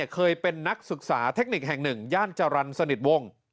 เคยเป็นนักศึกษาเทคนิคแห่งหนึ่งย่านจรรย์สนิทวง